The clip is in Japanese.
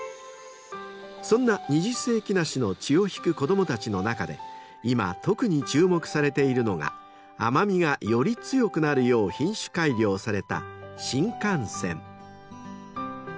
［そんな二十世紀梨の血を引く子供たちの中で今特に注目されているのが甘味がより強くなるよう品種改良された］